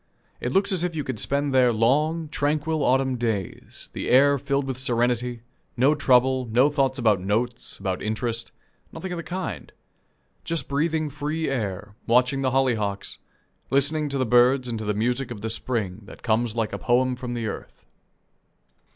It looks as if you could spend there long, tranquil autumn days; the air filled with serenity; no trouble, no thoughts about notes, about interest nothing of the kind; just breathing free air, watching the hollyhocks, listening to the birds and to the music of the spring that comes like a poem from the earth.